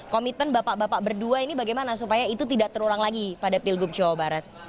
komitmen bapak bapak berdua ini bagaimana supaya itu tidak terulang lagi pada pilgub jawa barat